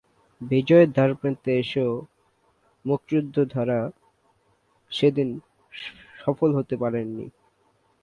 বিজয়ের দ্বারপ্রান্তে এসেও মুক্তিযোদ্ধারা সেদিন সফল হতে পারেননি।